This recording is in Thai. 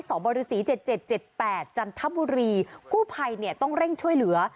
บริษี๗๗๘จันทบุรีกู้ภัยเนี่ยต้องเร่งช่วยเหลือ